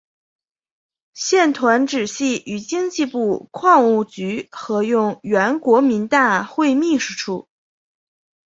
现团址系与经济部矿务局合用原国民大会秘书处。